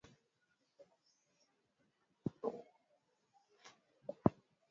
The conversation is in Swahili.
mapigano Mkwawa alihesabu wafu wake waliokuwa wengi Alikataza mila za kilio kwa sababu alitaka